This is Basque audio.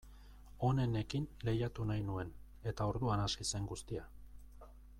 Onenekin lehiatu nahi nuen, eta orduan hasi zen guztia.